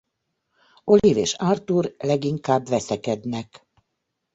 Olive és Arthur leginkább veszekednek.